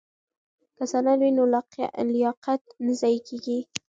که سند وي نو لیاقت نه ضایع کیږي.